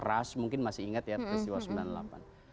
rush mungkin masih ingat ya